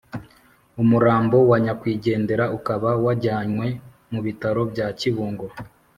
umurambo wa nyakwigendera ukaba wajyanwe mu bitaro bya kibungo